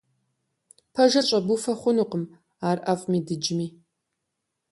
Пэжыр щӏэбуфэ хъунукъым, ар ӏэфӏми дыджми.